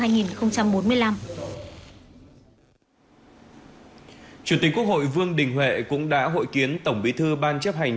chủ tịch quốc hội vương đình huệ cũng đã hội kiến tổng bí thư ban chấp hành